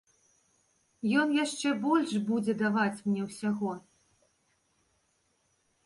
Ён яшчэ больш будзе даваць мне ўсяго.